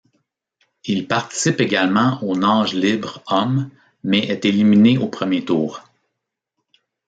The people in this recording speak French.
Il participe également au nage libre hommes mais est éliminé au premier tour.